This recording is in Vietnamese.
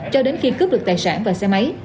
cho đến khi cướp được tài sản và xe máy